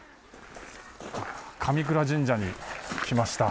神倉神社に来ました。